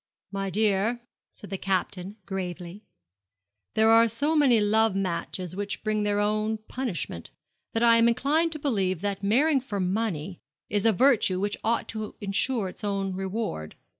'My dear,' said the Captain, gravely, 'there are so many love matches which bring their own punishment, that I am inclined to believe that marrying for money is a virtue which ought to ensure its own reward.